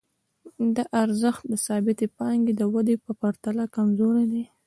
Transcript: دا ارزښت د ثابتې پانګې د ودې په پرتله کمزوری دی